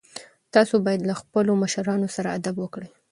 تاسو باید له خپلو مشرانو سره ادب وکړئ.